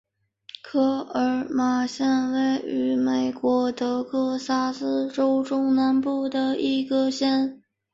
科马尔县位美国德克萨斯州中南部的一个县。